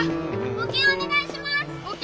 募金お願いします！